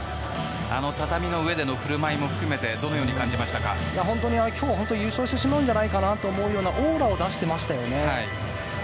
畳の上での振る舞いも含めて今日、本当に優勝してしまうんじゃないかと思うようなオーラを出していましたよね。